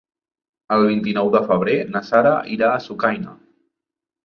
El vint-i-nou de febrer na Sara irà a Sucaina.